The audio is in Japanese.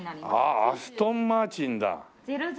ああアストンマーチンだ。